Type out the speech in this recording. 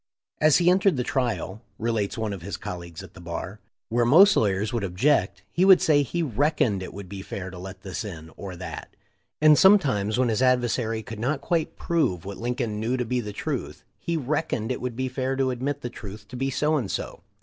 "As he entered the trial," relates one of his col leagues at the bar,* "where most lawyers would ob ject he would say he 'reckoned' it would be fair to let this in, or that ; and sometimes, when his adver sary could not quite prove what Lincoln knew to be the truth, he 'reckoned' it would be fair to admit the truth to be so and so.